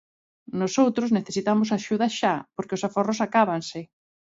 Nosoutros necesitamos axuda xa, porque os aforros acábanse.